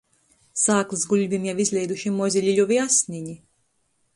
Sāklys buļvim jau izleiduši mozi, liļovi asneni.